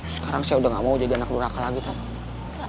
sekarang saya udah gak mau jadi anak duraka lagi kan